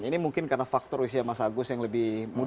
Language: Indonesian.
ini mungkin karena faktor usia mas agus yang lebih muda